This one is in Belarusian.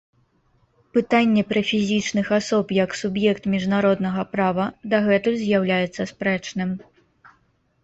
Пытанне пра фізічных асоб як суб'ект міжнароднага права дагэтуль з'яўляецца спрэчным.